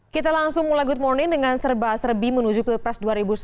kita langsung mulai good morning dengan serba serbi menuju pilpres dua ribu sembilan belas